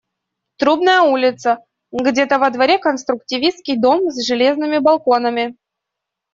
Трубная улица, где-то во дворе конструктивистский дом, с железными балконами.